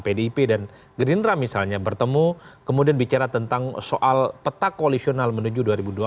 pdip dan gerindra misalnya bertemu kemudian bicara tentang soal peta koalisional menuju dua ribu dua puluh